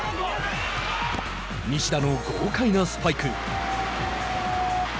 西田の豪快なスパイク。